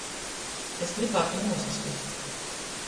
Es grybātum nūsaskust.